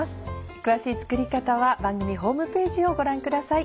詳しい作り方は番組ホームページをご覧ください。